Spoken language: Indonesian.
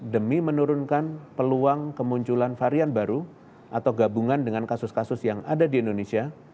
demi menurunkan peluang kemunculan varian baru atau gabungan dengan kasus kasus yang ada di indonesia